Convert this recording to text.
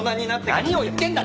何を言ってんだ！